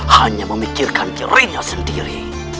hanya memikirkan dirinya sendiri